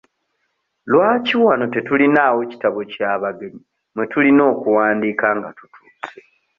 Lwaki wano tetulinaawo kitabo kya bagenyi mwe tulina okuwandiika nga tutuuse?